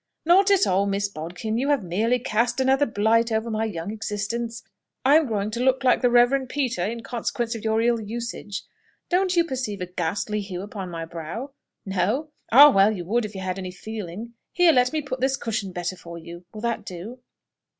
"Not at all, Miss Bodkin. You have merely cast another blight over my young existence. I am growing to look like the reverend Peter, in consequence of your ill usage. Don't you perceive a ghastly hue upon my brow? No? Ah, well, you would if you had any feeling. Here, let me put this cushion better for you. Will that do?"